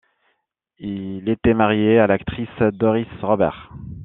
Il était marié à l'actrice Doris Roberts.